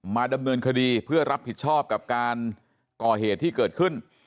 มาดำเนินคดีเพื่อรับผิดชอบกับการก่อเหตุที่เกิดขึ้น